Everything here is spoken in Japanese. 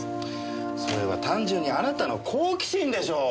それは単純にあなたの好奇心でしょう？